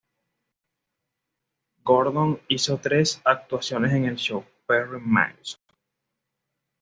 Gordon hizo tres actuaciones en el show "Perry Mason".